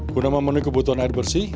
guna memenuhi kebutuhan air bersih